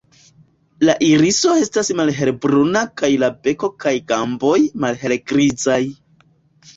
La iriso estas malhelbruna kaj la beko kaj gamboj malhelgrizaj.